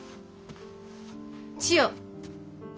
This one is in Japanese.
千代。